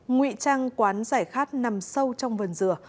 nguy trang quán giải khát nằm sâu trong vần rửa